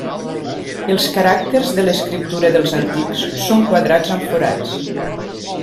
Els caràcters de l'escriptura dels antics són quadrats amb forats.